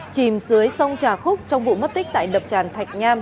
chìm dưới sông trà khúc trong vụ mất tích tại đập tràn thạch nham